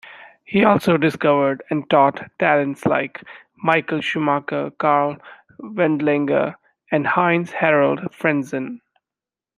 He also discovered and taught talents like Michael Schumacher, Karl Wendlinger, and Heinz-Harald Frentzen.